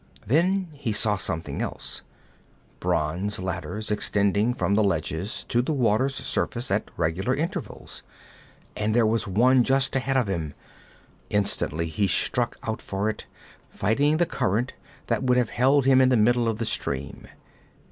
Then he saw something else: bronze ladders extended from the ledges to the water's surface at regular intervals, and there was one just ahead of him. Instantly he struck out for it, fighting the current that would have held him to the middle of the stream.